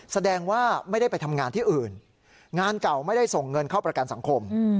แสดงว่าไม่ได้ไปทำงานที่อื่นงานเก่าไม่ได้ส่งเงินเข้าประกันสังคม